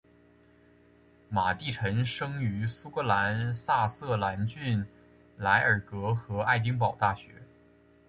马地臣生于苏格兰萨瑟兰郡莱尔格和爱丁堡大学。